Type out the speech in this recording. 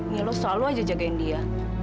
milo selalu aja jagain dia